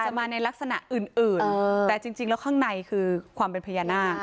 มาในลักษณะอื่นแต่จริงแล้วข้างในคือความเป็นพญานาค